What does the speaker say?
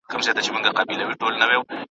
پکښي ګرځېدې لښکري د آسونو `